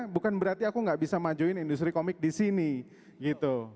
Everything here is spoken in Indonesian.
bukan berarti aku gak bisa majuin industri komik di sini gitu